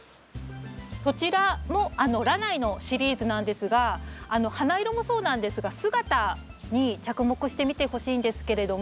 そちらもラナイのシリーズなんですが花色もそうなんですが姿に着目してみてほしいんですけれども。